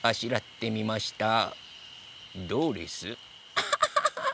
アハハハ！